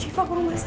coba tungguin ya